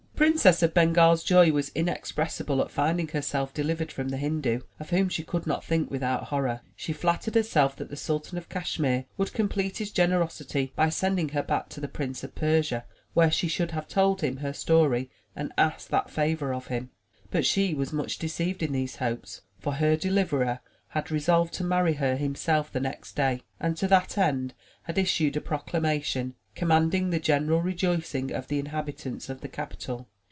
' The Princess of BengaFs joy was inexpressible at finding herself delivered from the Hindu, of whom she could not think without horror. She flattered herself that the Sultan of Cash mere would complete his generosity by sending her back to the Prince of Persia when she should have told him her story and asked that favor of him. But she was much deceived in these hopes, for her deliverer had resolved to marry her himself the next day; and to that end had issued a proclamation, com manding the general rejoicing of the inhabitants of the capital.